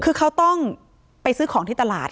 คือเขาต้องไปซื้อของที่ตลาด